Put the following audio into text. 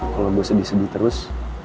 kalo gue sedih sedih terus